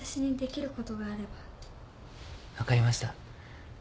分かりました。